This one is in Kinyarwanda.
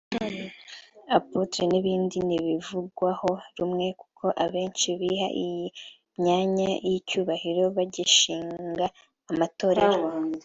Apôtre n’ibindi ntibivugwaho rumwe kuko abenshi biha iyi myanya y’icyubahiro bagishinga amatorero